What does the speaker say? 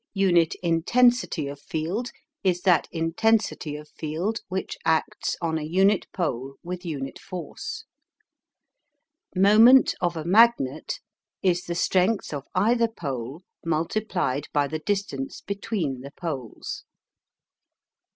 UNIT INTENSITY OF FIELD is that intensity of field which acts on a unit pole with unit force. MOMENT OF A MAGNET is the strength of either pole multiplied by the distance between the poles.